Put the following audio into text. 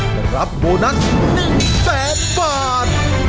จะรับโบนัส๑แสนบาท